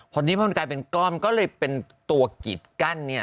พอนี้พอมันกลายเป็นก้อนก็เลยเป็นตัวกีบกั้น